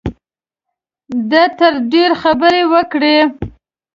ده تر ډېرو خبرې وکړې.